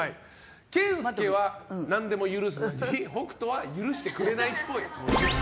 健介は何でも許すのに北斗は許してくれないっぽい。